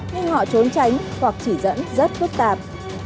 nhưng họ trốn tránh hoặc chỉ dẫn rất phức tạp